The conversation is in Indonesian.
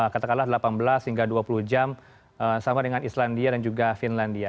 katakanlah delapan belas hingga dua puluh jam sama dengan islandia dan juga finlandia